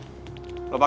kalian beli bandingnya pak